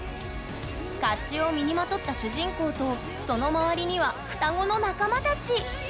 かっちゅうを身にまとった主人公とその周りには双子の仲間たち！